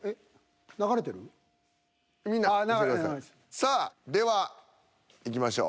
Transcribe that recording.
さあではいきましょう。